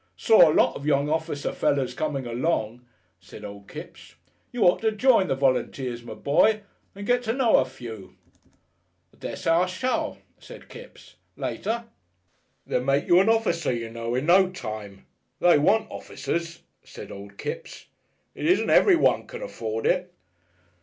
"Saw a lot of young officer fellers coming along," said old Kipps. "You ought to join the volunteers, my boy, and get to know a few." "I dessay I shall," said Kipps. "Later." "They'd make you an officer, you know, 'n no time. They want officers," said old Kipps. "It isn't everyone can afford it.